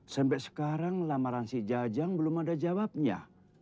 sampai sekarang lamaran si jajang belum ada jawabnya